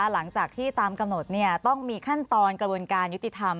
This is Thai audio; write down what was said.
หลังจากที่ตามกำหนดต้องมีขั้นตอนกระบวนการยุติธรรม